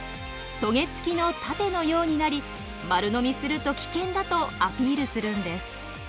トゲ付きの盾のようになり丸飲みすると危険だとアピールするんです。